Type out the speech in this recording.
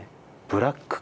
ブラック